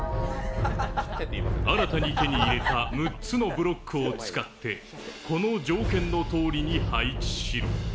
新たに手に入れた６つのブロックを使って、この条件のとおりに配置しろ。